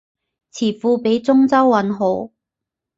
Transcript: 詞庫畀中州韻好